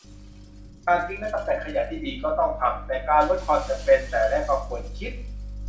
การทิ้งและกำจัดขยะที่ดีก็ต้องทำ แต่การลดความจำเป็นแต่แรกก็ควรคิด